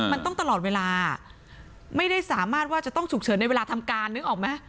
มันต้องตลอดเวลาไม่ได้สามารถว่าจะต้องฉุกเฉินในเวลาทำการนึกออกไหม